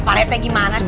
pak rete gimana sih